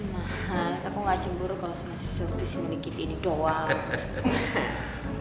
mas aku gak cemburu kalo masih surti sih menikiti ini doang